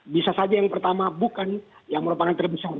bisa saja yang pertama bukan yang merupakan terbesar